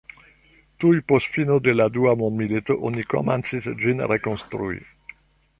Tuj post fino de la dua mondmilito oni komencis ĝin rekonstrui.